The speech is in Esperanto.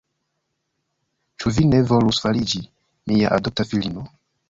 Ĉu vi ne volus fariĝi mia adopta filino?